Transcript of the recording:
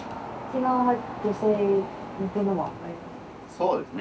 そうですね。